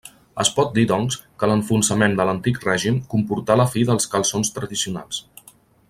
Es pot dir, doncs, que l'enfonsament de l'Antic Règim comportà la fi dels calçons tradicionals.